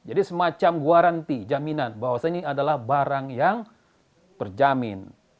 jadi semacam guaranti jaminan bahwa ini adalah barang yang berjamin